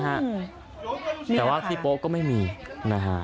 แต่ว่าพี่โป๊ก็ไม่มีนะฮะ